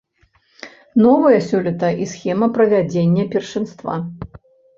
Новая сёлета і схема правядзення першынства.